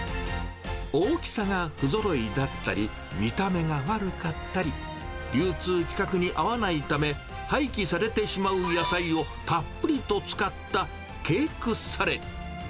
大きさがふぞろいだったり、見た目が悪かったり、流通規格に合わないため、廃棄されてしまう野菜をたっぷりと使ったケークサレ。